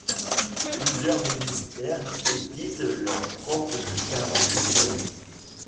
Plusieurs ministères éditent leur propre bulletin officiel.